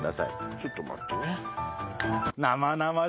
ちょっと待ってね。